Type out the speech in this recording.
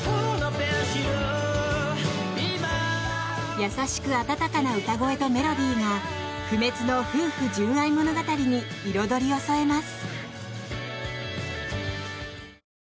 優しく温かな歌声とメロディーが不滅の夫婦純愛物語に彩りを添えます。